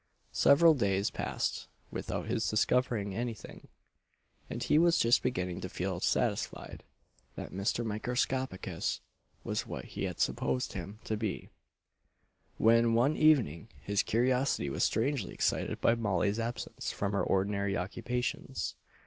] Several days passed without his discovering anything; and he was just beginning to feel satisfied that Mr. Microscopicus was what he had supposed him to be, when, one evening, his curiosity was strangely excited by Molly's absence from her ordinary occupations.